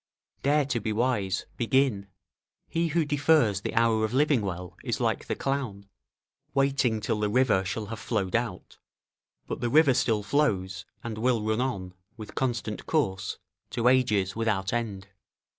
["Dare to be wise; begin! he who defers the hour of living well is like the clown, waiting till the river shall have flowed out: but the river still flows, and will run on, with constant course, to ages without end."